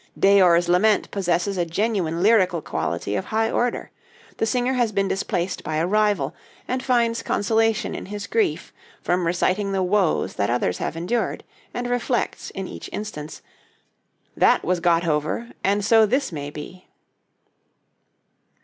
'Deor's Lament' possesses a genuine lyrical quality of high order. The singer has been displaced by a rival, and finds consolation in his grief from reciting the woes that others have endured, and reflects in each instance, "That was got over, and so this may be."